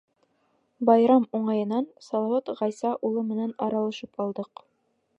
Байрам уңайынан Салауат Ғайса улы менән аралашып алдыҡ.